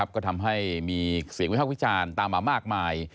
ก็ทำให้มีเสียงวิพากษ์วิจารณ์ตามมามากมาย